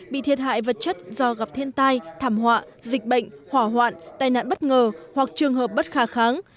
bị thiệt hại vật chất do gặp thiên tai thảm họa dịch bệnh hỏa hoạn tai nạn bất ngờ hoặc trường hợp bất khả kháng